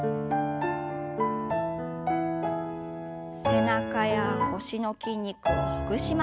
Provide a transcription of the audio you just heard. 背中や腰の筋肉をほぐします。